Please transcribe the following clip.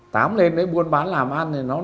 tám lên đấy buôn bán làm ăn